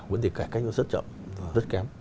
vấn đề cải cách rất chậm rất kém